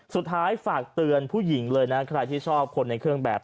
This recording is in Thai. สุดท้ายฝากเตือนผู้หญิงเลยนะใครที่ชอบคนในเครื่องแบบ